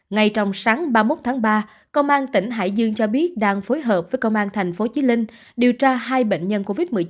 ngay trong sáng ba mươi một tháng ba công an tỉnh hải dương cho biết đang phối hợp với công an tp chí linh điều tra hai bệnh nhân covid một mươi chín